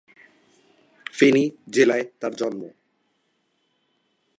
ফেনী জেলায় তাঁর জন্ম।